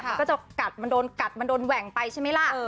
มันก็จะกัดมันโดนกัดมันโดนแหว่งไปใช่ไหมล่ะ